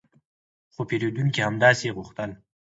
خو پیرودونکي همداسې غوښتل